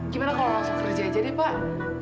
gimana kalau langsung kerja aja deh pak